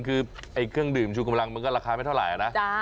คือเครื่องดื่มชูกำลังมันก็ราคาไม่เท่าไหร่นะ